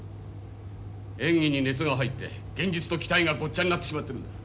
演技に熱が入って現実と期待がごっちゃになってしまっているんだ。